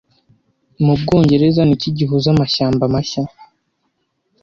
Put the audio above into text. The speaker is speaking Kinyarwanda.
Mu Bwongereza niki gihuza amashyamba mashya